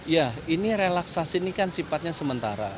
ya ini relaksasi ini kan sifatnya sementara